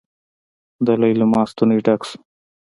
د ليلما ستونی ډک شو.